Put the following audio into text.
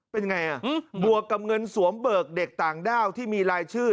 เป็นยังไงอ่ะบวกกับเงินสวมเบิกเด็กต่างด้าวที่มีรายชื่อ